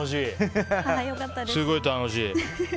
すごい楽しい。